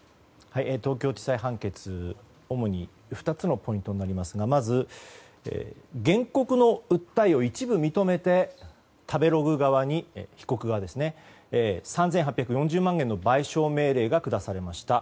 東京地裁判決主に２つのポイントになりますがまず、原告の訴えを一部認めて食べログ側に被告が３８４０万円の賠償命令が下されました。